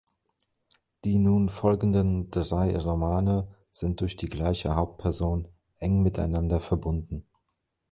Die nun folgenden drei Romane sind durch die gleiche Hauptperson eng miteinander verbunden.